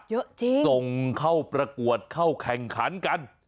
เยอะจริงส่งเข้าประกวดเข้าแข่งขันกัน